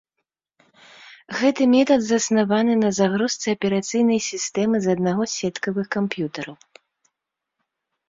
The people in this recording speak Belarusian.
Гэты метад заснаваны на загрузцы аперацыйнай сістэмы з аднаго з сеткавых камп'ютараў.